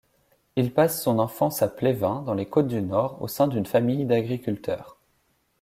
Il passe son enfance à Plévin, dans les Côtes-du-Nord, au sein d'une famille d'agriculteurs.